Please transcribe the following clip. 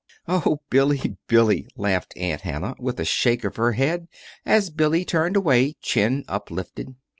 "Oh, Billy, Billy," laughed Aunt Hannah, with a shake of her head as Billy turned away, chin uptilted.